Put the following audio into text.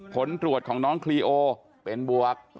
ผลตรวจของน้องคลีโอเป็นบวก